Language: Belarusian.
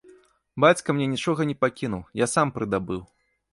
Бацька мне нічога не пакінуў, я сам прыдабыў.